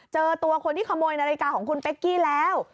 เจอตัวคนที่ขโมยนาฬิกาของคุณเป๊กกี้แล้ว